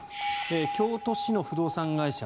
京都市の不動産会社